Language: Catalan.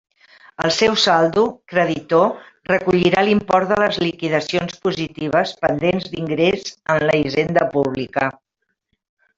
El seu saldo, creditor, recollirà l'import de les liquidacions positives pendents d'ingrés en la Hisenda Pública.